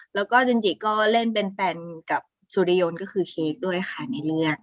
แล้วก็จริงก็เล่นเป็นแฟนกับสุริยนต์ก็คือเค้กด้วยค่ะในเรื่อง